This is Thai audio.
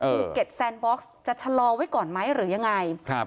คือเก็ตแซนบ็อกซ์จะชะลอไว้ก่อนไหมหรือยังไง